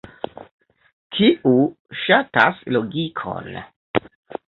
kiu ŝatas logikon